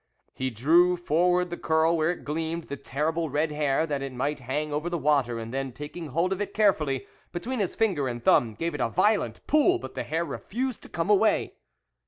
He drew for ward the curl where gleamed the terrible red hair, that it might hang over the water, and then taking hold of it carefully between his finger and thumb gave it violent pull ; but the hair refused to come away.